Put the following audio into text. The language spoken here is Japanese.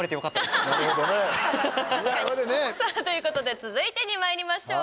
ということで続いてにまいりましょう。